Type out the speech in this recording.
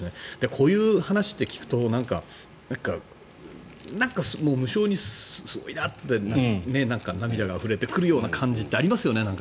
こういう話を聞くと無性に、すごいなって涙があふれてくるような感じってありますよね。